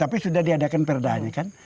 tapi sudah diadakan perdahannya kan